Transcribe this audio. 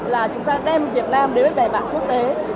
là chúng ta đem việt nam đến với bề bạn quốc tế